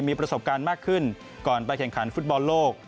มีประสบการณ์มากขึ้นก่อนไปแข่งขันฟุตบอลโลก